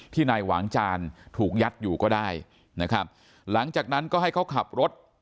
นายหวางจานถูกยัดอยู่ก็ได้นะครับหลังจากนั้นก็ให้เขาขับรถ